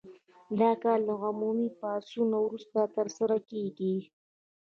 دا کار له عمومي پاڅون وروسته ترسره کیږي.